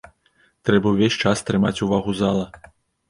Трэба ўвесь час трымаць увагу зала.